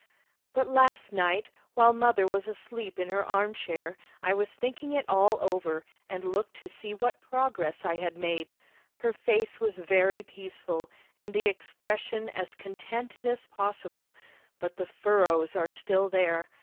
"But last night, while mother was asleep in her armchair, I was thinking it all over, and looked to see what progress I had made. Her face was very peaceful, and the expression as contented as possible, but the furrows are still there.